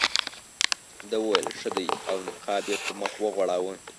ده وویل ښه دی او نقاب یې پر مخ وغوړاوه.